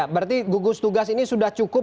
berarti gugus tugas ini sudah cukup